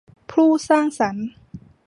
ผู้สร้างสรรค์